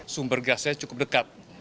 sumber gasnya cukup dekat